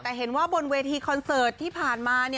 แต่เห็นว่าบนเวทีคอนเสิร์ตที่ผ่านมา